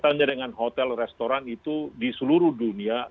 kaitannya dengan hotel eseran itu di seluruh dunia berat ya